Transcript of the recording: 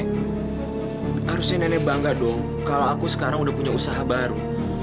harusnya nenek bangga dong kalau aku sekarang udah punya usaha baru